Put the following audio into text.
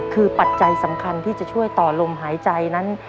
คือปัจจัยสำคัญที่จะช่วยต่อลมหายใจนั้น